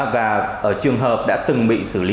và ở trường hợp đã từng bị xử lý